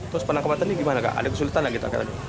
terus penangkapan ini gimana kak ada kesulitan lah gitu